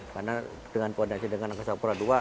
karena dengan koordinasi dengan angkasa umpura ii